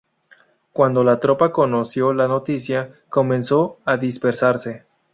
Cuando la tropa conoció la noticia, comenzó a dispersarse.